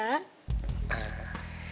aku mau pergi ke rumah